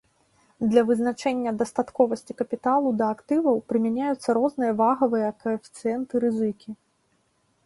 Для вызначэння дастатковасці капіталу да актываў прымяняюцца розныя вагавыя каэфіцыенты рызыкі.